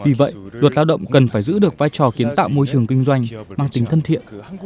vì vậy luật lao động cần phải giữ được vai trò kiến tạo môi trường kinh doanh mang tính thân thiện